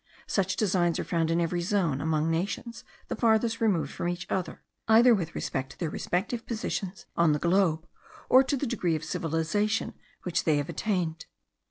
Such designs are found in every zone among nations the farthest removed from each other, either with respect to their respective positions on the globe, or to the degree of civilization which they have attained.